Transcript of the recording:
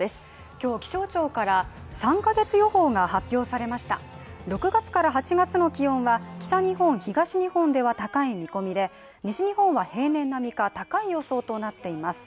今日気象庁から３ヶ月予報が発表されました６月から８月の気温は、北日本東日本では高い見込みで、西日本は平年並みか高い予想となっています。